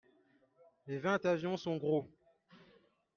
Les vingt avions sont gros.